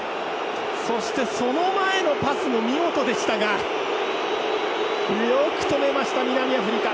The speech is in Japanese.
そしてその前のパスも見事でしたがよく止めました、南アフリカ。